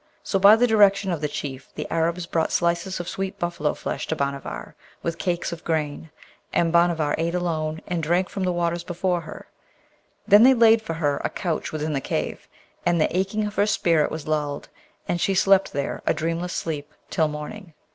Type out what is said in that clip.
So by the direction of their Chief the Arabs brought slices of sweet buffalo flesh to Bhanavar, with cakes of grain: and Bhanavar ate alone, and drank from the waters before her. Then they laid for her a couch within the cave, and the aching of her spirit was lulled, and she slept there a dreamless sleep till morning.